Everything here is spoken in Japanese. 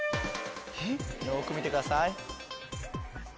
よく見てください。